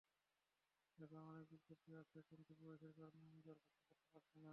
এখন অনেক বিজ্ঞপ্তি আসছে কিন্তু বয়সের কারণে আমি দরখাস্ত করতে পারছি না।